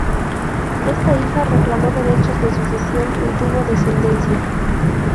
Esta hija reclamó derechos de sucesión y tuvo descendencia.